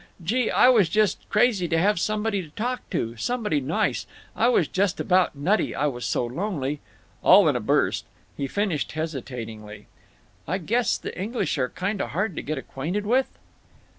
Gee, I was just crazy to have somebody to talk to—somebody nice—I was just about nutty, I was so lonely," all in a burst. He finished, hesitatingly, "I guess the English are kinda hard to get acquainted with."